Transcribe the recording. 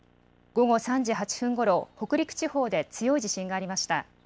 午後３時８分ごろ、北陸地方で強い地震がありました。